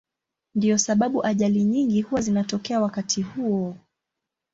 Ndiyo sababu ajali nyingi huwa zinatokea wakati huo.